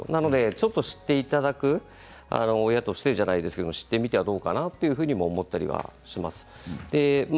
ちょっと知っていただく親としてじゃないですけど知ってみたらどうかなと思ったりします。